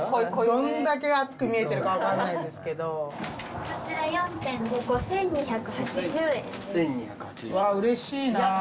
うわうれしいな。